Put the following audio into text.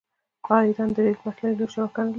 آیا ایران د ریل پټلۍ لویه شبکه نلري؟